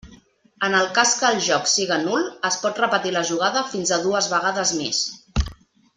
En el cas que el joc siga nul, es pot repetir la jugada fins a dues vegades més.